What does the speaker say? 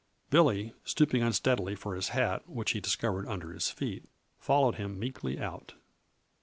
Billy, stooping unsteadily for his hat which he discovered under his feet, followed him meekly out.